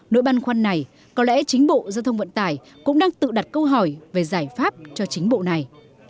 nỗi băn khoăn này có lẽ chính bộ giao thông vận tải cũng đang tự đặt câu hỏi về giải pháp cho chính bộ này